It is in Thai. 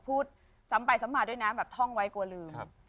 พูดซ้ำไปซ้ำมาด้วยนะแบบท่องไว้กลัวลืม